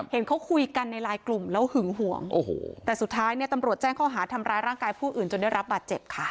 เห็นเขาคุยกันในไลน์กลุ่มแล้วหึงห่วงโอ้โหแต่สุดท้ายเนี่ยตำรวจแจ้งข้อหาทำร้ายร่างกายผู้อื่นจนได้รับบาดเจ็บค่ะ